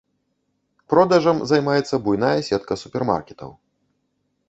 Продажам займаецца буйная сетка супермаркетаў.